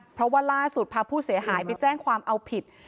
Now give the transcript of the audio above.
เพราะว่าล่าสุดพาผู้เสียหายไปแจ้งความเอาผิด